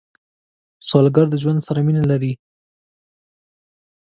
سوالګر د ژوند سره مینه لري